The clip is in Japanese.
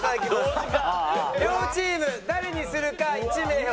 両チーム誰にするか１名を。